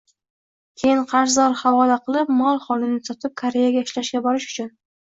keyin qarz havola qilib, mol-holini sotib, Koreyaga ishlashga borish uchun